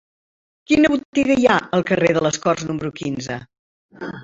Quina botiga hi ha al carrer de les Corts número quinze?